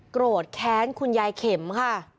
โกรธแค้นคุณยายเข็มค่ะ